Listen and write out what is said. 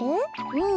うん。